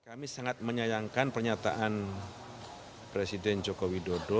kami sangat menyayangkan pernyataan presiden joko widodo